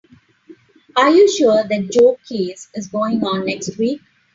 Are you sure that Joe case is going on next week?